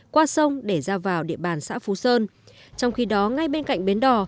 qua sông để ra vào địa bàn xã phú sơn trong khi đó ngay bên cạnh bến đỏ